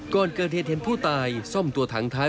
ก่อนเกิดเหตุเห็นผู้ตายซ่อมตัวถังท้าย